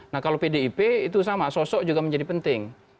nah kalau pdip itu sama sosok juga menjadi penting